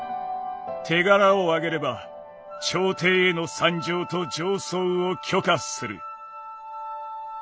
「手柄をあげれば朝廷への参上と上奏を許可する」。